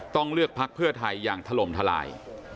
ต้องเลือกพักเพื่อไทยอย่างถล่มทลาย